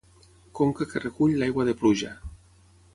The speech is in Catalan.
Conca que recull l'aigua de pluja.